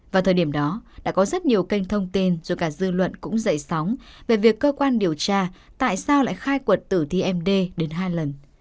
vào thời điểm đó đã có rất nhiều kênh thông tin rồi cả dư luận cũng dậy sóng về việc cơ quan điều tra tại sao lại khai quật tử thi md đến hai lần